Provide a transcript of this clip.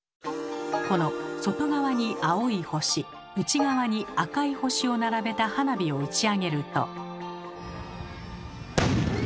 この外側に青い星内側に赤い星を並べた花火を打ち上げると。